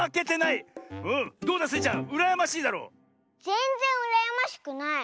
ぜんぜんうらやましくない。